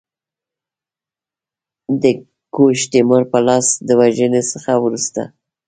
د ګوډ تیمور په لاس د وژني څخه وروسته.